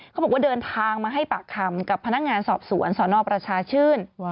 เขาบอกว่าเดินทางมาให้ปากคำกับพนักงานสอบสวนสนประชาชื่น